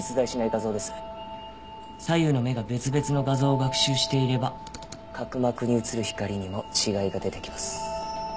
左右の目が別々の画像を学習していれば角膜に映る光にも違いが出てきます。